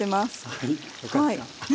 はいよかった。